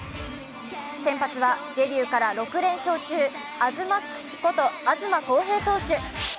先発はデビューから６連勝中、アズマックスこと東晃平投手。